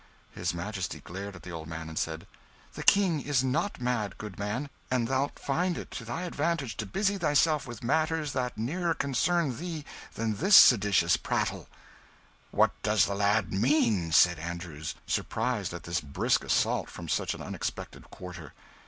His Majesty glared at the old man and said "The King is not mad, good man and thou'lt find it to thy advantage to busy thyself with matters that nearer concern thee than this seditious prattle." "What doth the lad mean?" said Andrews, surprised at this brisk assault from such an unexpected quarter.